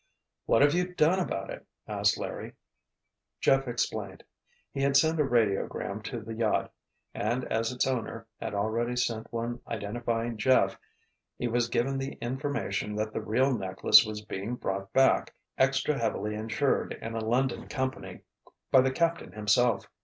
"What have you done about it?" asked Larry. Jeff explained. He had sent a radiogram to the yacht, and as its owner had already sent one identifying Jeff, he was given the information that the real necklace was being brought back, extra heavily insured in a London company, by the captain himself.